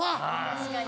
確かに。